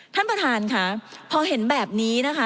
ท่านประธานค่ะพอเห็นแบบนี้นะคะ